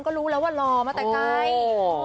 ก็รู้แล้วว่าหล่อมาแต่ไกล